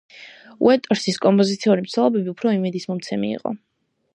უოტერსის კომპოზიციური მცდელობები უფრო იმედის მომცემი იყო.